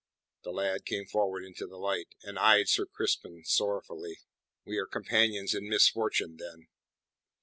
The lad came forward into the light, and eyed Sir Crispin sorrowfully. "We are companions in misfortune, then."